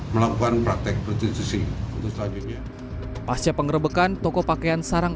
melakukan praktek prostitusi untuk selanjutnya pasca pengerebekan toko pakaian sarang